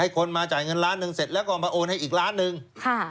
คนมาจ่ายเงินล้านหนึ่งเสร็จแล้วก็มาโอนให้อีกล้านหนึ่ง